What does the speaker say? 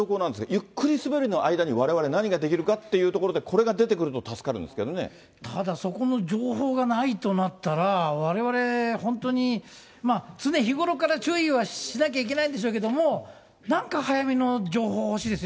ゆっくり滑りの間にわれわれ、何ができるかというところで、これが出てくると助かるんですけどただ、そこの情報がないとなったら、われわれ、本当に常日頃から注意はしなきゃいけないんでしょうけども、なんか早めの情報が欲しいですね。